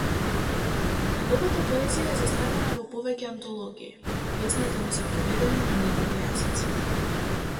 Неговата поезија е застапена во повеќе антологии, песните му се преведени на неколку јазици.